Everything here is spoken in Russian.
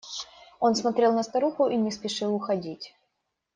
Он смотрел на старуху и не спешил уходить.